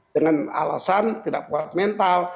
dengan alasan tidak kuat mental